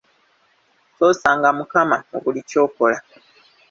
Ssoosanga mukama mu buli kyokola.